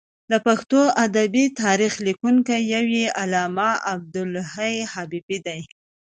د پښتو ادبي تاریخ لیکونکی یو یې علامه عبدالحی حبیبي دی.